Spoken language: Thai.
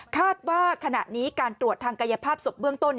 คาดว่าขณะนี้การตรวจทางกายภาพศพเบื้องต้น